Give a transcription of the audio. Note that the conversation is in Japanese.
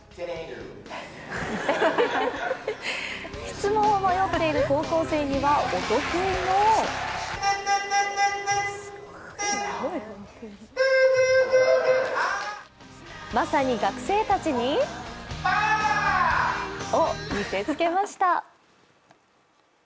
質問を迷っている高校生には、お得意のまさに、学生たちにパワーを見せつけました。